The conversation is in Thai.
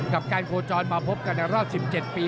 กับการโคจรมาพบกันในรอบ๑๗ปี